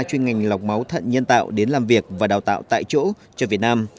chuyên ngành lọc máu thận nhân tạo đến làm việc và đào tạo tại chỗ cho việt nam